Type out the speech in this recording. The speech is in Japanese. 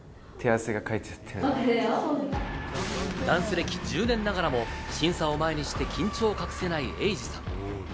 歴１０年ながらも、審査を前にして緊張を隠せない瑛史さん。